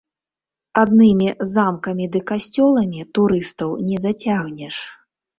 Аднымі замкамі ды касцёламі турыстаў не зацягнеш.